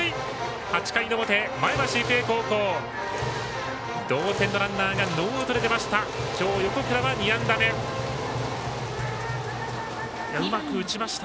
８回の表、前橋育英高校同点のランナーがノーアウトで出ました。